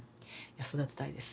「育てたいです。